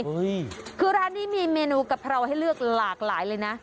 คือร้านนี้มีเมนูกะเพราให้เลือกหลากหลายเลยนะ